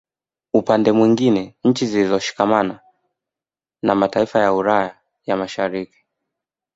Upande mwingine nchi zilizoshikamana na mataifa ya Ulaya ya Mashariki